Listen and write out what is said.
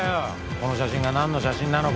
この写真が何の写真なのか。